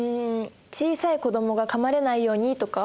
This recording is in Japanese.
小さい子どもがかまれないようにとか？